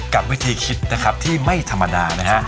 กับวิธีคิดนะครับที่ไม่ธรรมดานะฮะ